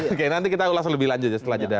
oke nanti kita ulas lebih lanjut ya setelah jeda